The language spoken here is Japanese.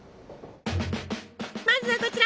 まずはこちら。